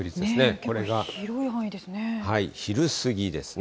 結構、広い範囲ですね。